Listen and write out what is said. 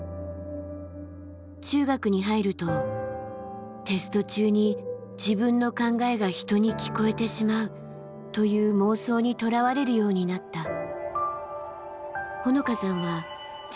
中学に入ると「テスト中に自分の考えが人に聞こえてしまう」という妄想にとらわれるようになった。